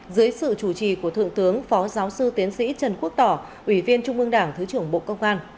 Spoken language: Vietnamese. dưới sự chủ trì của thượng tướng phó giáo sư tiến sĩ trần quốc tỏ ủy viên trung ương đảng thứ trưởng bộ công an